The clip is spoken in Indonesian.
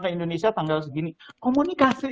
ke indonesia tanggal segini komunikasi